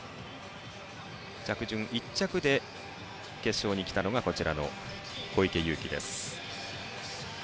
着順１着で決勝に来たのが小池祐貴です。